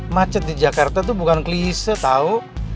macet di jakarta tuh bukan klise tau